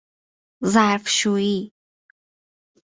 ظرفشویی